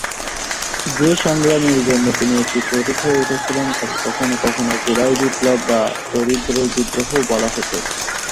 যে সংগ্রামের জন্য তিনি একটি প্রতীক হয়ে উঠেছিলেন তাকে কখনও কখনও "জুলাই বিপ্লব" বা "দরিদ্রদের বিদ্রোহ" বলা হত।